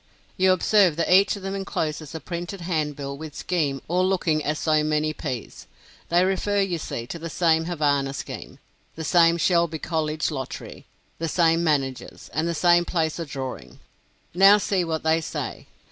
You observe that each of them incloses a printed hand bill with "scheme," all looking as like as so many peas. They refer, you see, to the same "Havana scheme," the same "Shelby College Lottery," the same "managers," and the same place of drawing. Now, see what they say.